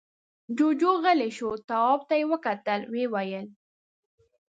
جُوجُو غلی شو، تواب ته يې وکتل، ويې ويل: